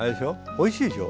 おいしいでしょ？